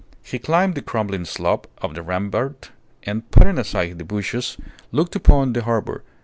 He climbed the crumbling slope of the rampart, and, putting aside the bushes, looked upon the harbour.